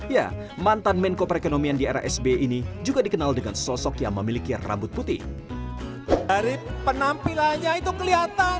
ya mantan menko perekonomian di era sbi ini juga dikenal dengan sosok yang memiliki rambut putih